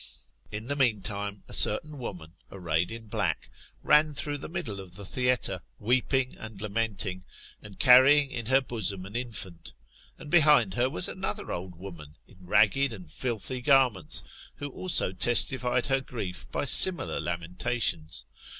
In the meantime a certain woman, arrayed in black, ran through the middle of the theatre^ weeping ai d lamenting, and carrying in her bosom an infant; and behind h.r was another old woman, in ragged and filthy garments, who also testified her grief by similar lamentations.